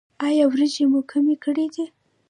ایا وریجې مو کمې کړي دي؟